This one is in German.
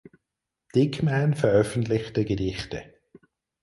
Dickman veröffentlichte Gedichte.